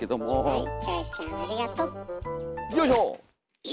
はい。